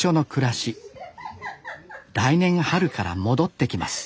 来年春から戻ってきます